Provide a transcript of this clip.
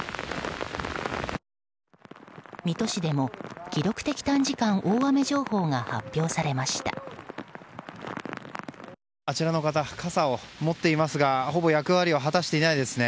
水戸市でも記録的短時間大雨情報があちらの方傘を持っていますがほぼ役割を果たしていないですね。